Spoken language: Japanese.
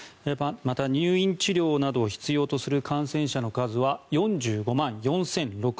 また入院治療などを必要とする感染者の数は４５万４０６９人。